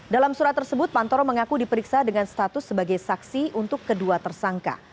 dalam surat tersebut pantoro mengaku diperiksa dengan status sebagai saksi untuk kedua tersangka